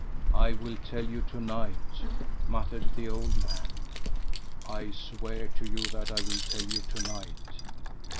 "I will tell you to night," muttered the old man; "I swear to you that I will tell you to night."